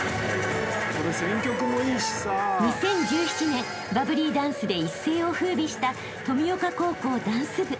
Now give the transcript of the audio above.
［２０１７年バブリーダンスで一世を風靡した登美丘高校ダンス部］